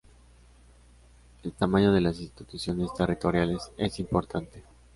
El tamaño de las instituciones territoriales es importante.